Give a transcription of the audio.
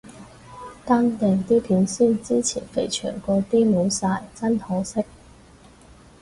單定啲片先，之前肥祥嗰啲冇晒，真可惜。